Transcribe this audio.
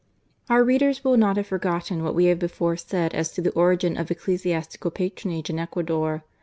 Our readers will not have forgotten what we have before said as to the origin of ecclesiastical patronage in Ecuador.